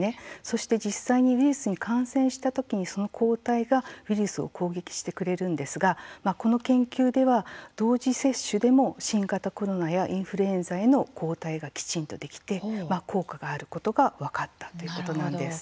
そして実際にウイルスに感染した時にその抗体がウイルスを攻撃してくれるんですがこの研究では同時接種でも新型コロナやインフルエンザへの抗体がきちんとできて効果があることが分かったということなんです。